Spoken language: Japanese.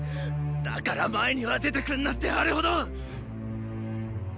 だから前には出てくんなってあれほど！